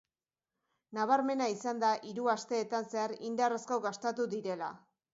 Nabarmena izan da hiru asteteetan zehar indar asko gastatu direla.